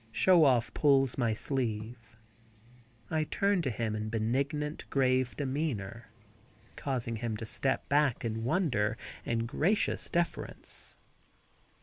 Show Off pulls my sleeve. I turn to him in benignant, grave demeanor, causing him to step back in wonder and gracious deference.